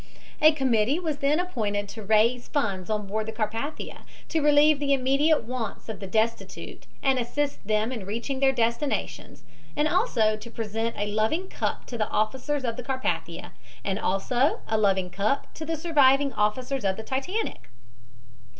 "A committee was then appointed to raise funds on board the Carpathia to relieve the immediate wants of the destitute and assist them in reaching their destinations and also to present a loving cup to the officers of the Carpathia and also a loving cup to the surviving officers of the Titanic.